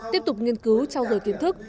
tiếp tục nghiên cứu trao rời kiến thức